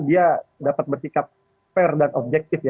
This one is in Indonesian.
dia dapat bersikap fair dan objektif